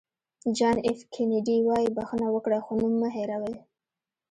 جان اېف کینېډي وایي بښنه وکړئ خو نوم مه هېروئ.